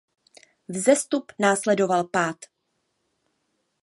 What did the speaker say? Vzestup následoval pád.